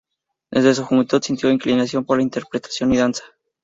Desde su juventud sintió inclinación por la interpretación y la danza.